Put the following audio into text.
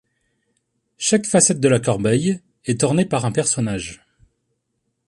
Chaque facette de la corbeille est ornée par un personnage.